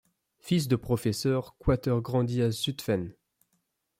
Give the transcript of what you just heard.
Fils de professeur, Koiter grandit à Zutphen.